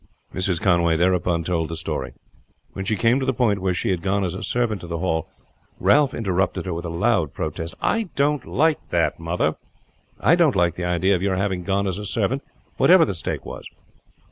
Mrs. Conway thereupon told the story. When she came to the point where she had gone as a servant to the Hall, Ralph interrupted her with a loud protest. "I don't like that, mother; I don't like the idea of your having gone as a servant, whatever the stake was.